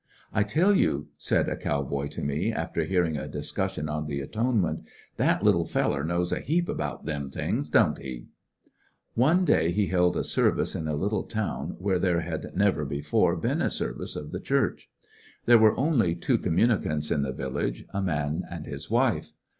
"I tell you," said a cow boy to me, after hearing a discussion on the Atonement, ^^that little feller knows a heap about them things, don't he?" A ritualist One day he held a service in a little town where there had never before been a service 194 ^jssjonary m i^ GreaiWesl of the Church. There were only two comma nicants io the Yillage— a man and his wife.